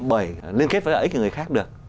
bởi liên kết với lợi ích của người khác được